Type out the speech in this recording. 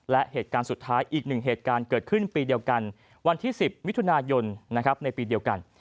และอีก๑เหตุการณ์เกิดขึ้นปีเดียวกันวันที่๑๐วิทยุนาโยน